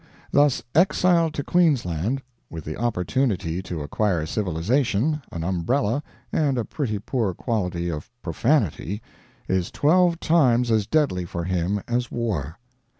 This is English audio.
Thus exile to Queensland with the opportunity to acquire civilization, an umbrella, and a pretty poor quality of profanity is twelve times as deadly for him as war.